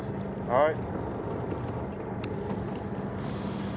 はい。